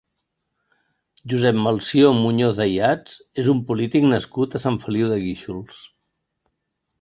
Josep Melcior Muñoz Ayats és un polític nascut a Sant Feliu de Guíxols.